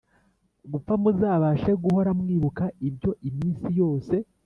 Gupfa muzabashe guhora mwibuka ibyo iminsi yose